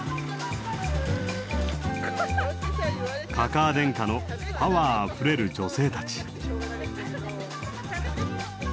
かかあ天下のパワーあふれる女性たち。